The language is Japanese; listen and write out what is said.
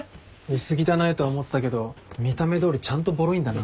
薄汚いとは思ってたけど見た目どおりちゃんとぼろいんだな。